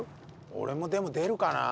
俺もでも出るかな。